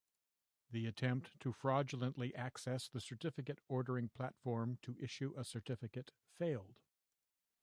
The attempt to fraudulently access the certificate ordering platform to issue a certificate failed.